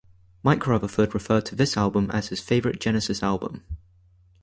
Mike Rutherford referred to this album as his favourite Genesis album.